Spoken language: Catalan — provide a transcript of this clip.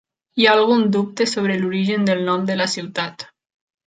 Hi ha algun dubte sobre l'origen del nom de la ciutat.